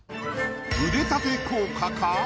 腕立て効果か？